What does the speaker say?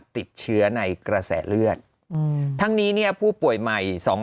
ติดเชื้อในกระแสเลือดทั้งนี้เนี่ยผู้ป่วยใหม่